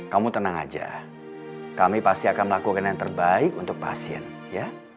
kamu tenang aja kami pasti akan melakukan yang terbaik untuk pasien ya